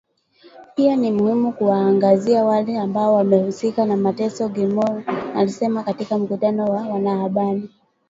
pia ni muhimu kuwaangazia wale ambao wamehusika na mateso Gilmore alisema katika mkutano na wanahabari